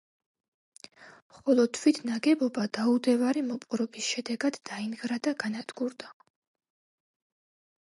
ხოლო თვით ნაგებობა დაუდევარი მოპყრობის შედეგად დაინგრა და განადგურდა.